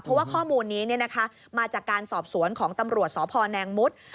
เพราะว่าข้อมูลนี้มาจากการสอบสวนของตำรวจสพแนงมุด